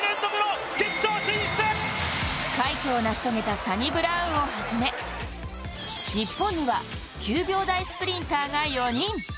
快挙を成し遂げたサニブラウンをはじめ日本には９秒台スプリンターが４人。